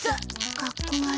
かっこ悪い。